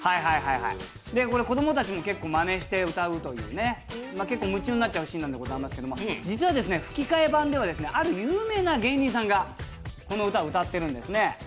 子供たちも結構まねして歌うという、結構夢中になっちゃうシーンでございますけれども、実は吹き替え版ではある有名な芸人さんがこの歌を歌っているんですね。